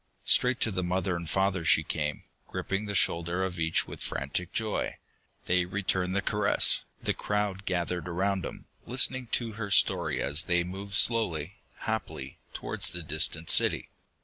Straight to the mother and father she came, gripping the shoulder of each with frantic joy. They returned the caress, the crowd gathered around them, listening to her story as they moved slowly, happily, towards the distant city.